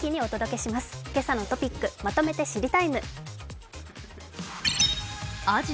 「けさのトピックまとめて知りＴＩＭＥ，」。